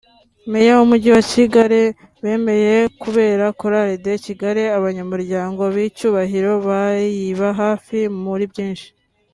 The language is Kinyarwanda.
Meya w’Umujyi wa Kigali bemeye kubera Chorale de Kigali abanyamuryango b’icyubahiro bayiba hafi muri byinshi